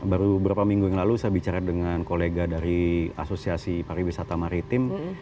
baru beberapa minggu yang lalu saya bicara dengan kolega dari asosiasi pariwisata maritim